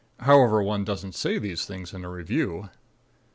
However, one doesn't say these things in a review.